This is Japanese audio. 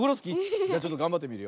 じゃちょっとがんばってみるよ。